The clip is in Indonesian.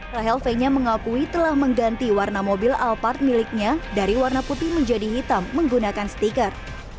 rahel fenya mengakui telah mengganti warna mobil alphard miliknya dari warna putih menjadi hitam menggunakan stiker